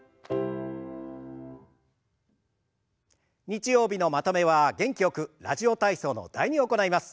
日曜日のまとめは元気よく「ラジオ体操」の「第２」を行います。